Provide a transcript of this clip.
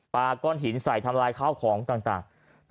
ก้อนหินใส่ทำลายข้าวของต่าง